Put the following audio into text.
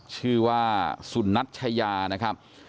ชื่อว่าสุนัชยานะครับ